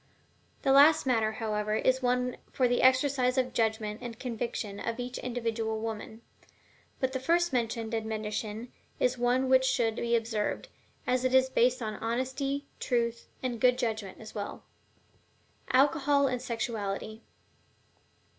The last matter, however, is one for the exercise of the judgment and conviction of each individual woman; but the first mentioned admonition is one which should be observed, as it is based on honesty, truth, and good judgment as well. ALCOHOL AND SEXUALITY.